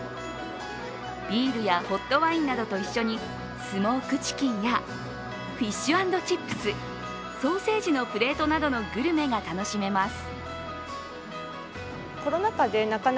ビールやホットワインなどと一緒にスモークチキンやフィッシュ＆チップスソーセージのプレートなどのグルメが楽しめます。